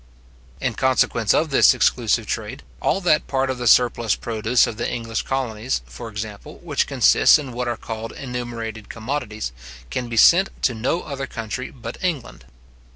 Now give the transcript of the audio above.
In consequence of this exclusive trade, all that part of the surplus produce of the English colonies, for example, which consists in what are called enumerated commodities, can be sent to no other country but England.